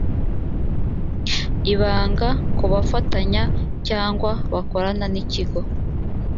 ibanga ku bafatanya cyangwa bakorana n ikigo